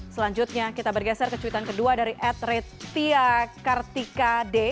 selanjutnya kita bergeser ke cuitan kedua dari adretia kartikade